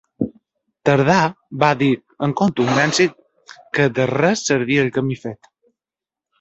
Tardà va dir amb contundència que de res servia el camí fet.